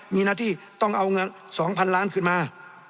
มีหน้าที่ต้องเอาเงิน๒๐๐๐ล้านขึ้นมา